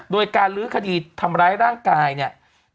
โดยการลื้อคดีทำร้ายร่างกายเนี่ย